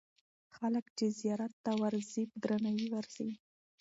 خلک چې زیارت ته ورځي، په درناوي ورځي.